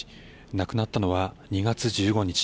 亡くなったのは２月１５日。